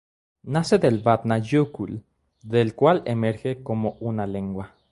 Nace del Vatnajökull, del cual emerge como una lengua.